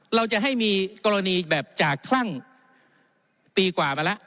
เราจะให้มีกรณีแบบจากคลั่งปีกว่ามาแล้ว